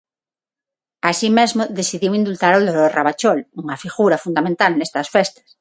Así, mesmo decidiu indultar ao loro Ravachol, unha figura fundamental nestas festas.